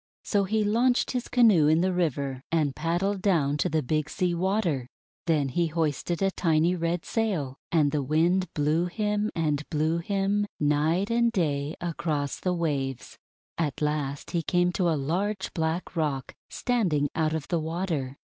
So he launched his canoe in the river, and pad dled down to the Big Sea Water. Then he hoisted a tiny red sail, and the Wind blew him, and blew him, night and day, across the waves. At last he came to a large black rock standing out of the water.